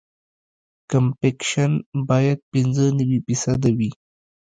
کمپکشن باید پینځه نوي فیصده وي